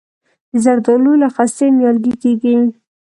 د زردالو له خستې نیالګی کیږي؟